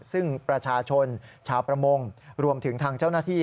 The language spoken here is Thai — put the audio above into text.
ซึ่งประชาชนชาวประมงรวมถึงทางเจ้าหน้าที่